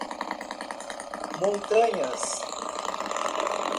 Montanhas